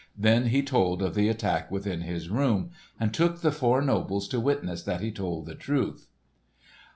Then he told of the attack within his room, and took the four nobles to witness that he told the truth.